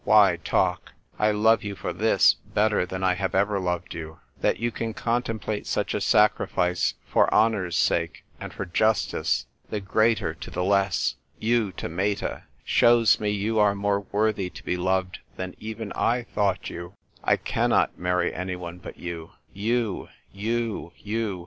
" Why talk ? I love you for tJiis better than I have ever loved you ! That you can contemplate such a sacrifice for honour's sake and for justice — the greater to the less, you to Meta — shows me you are more worthy to be loved than even I thought you. I cannot marry any one but you. You, you, you